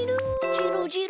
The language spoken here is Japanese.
じろじろ。